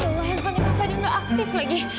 ya allah handphonenya kak fadli nggak aktif lagi